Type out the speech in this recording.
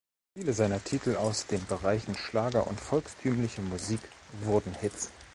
Viele seiner Titel aus den Bereichen Schlager und volkstümliche Musik wurden Hits.